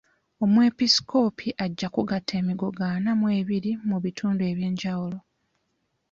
Omwepisikoopi ajja kugatta emigogo ana mu ebiri mu bitundu eby'enjawulo.